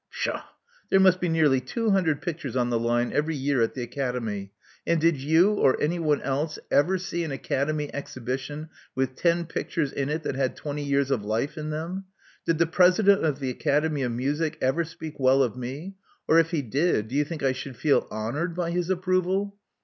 Pshaw! There must be nearly two hundred pictures on the line every year at the Academy; and did you, or anyone else, ever see an Academy exhibition with ten pictures in it that had twenty years of life in them? Did the President of the Academy of Music ever speak well of me ; or, if he did, do you think I should fell honored by his approval?